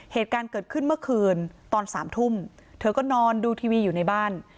เหตุการณ์เกิดขึ้นเมื่อคืนตอน๓ทุ่มเธอก็นอนดูทีวีอยู่ในบ้าน